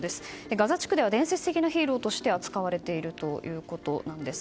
ガザ地区では伝説的なヒーローとして扱われているといいます。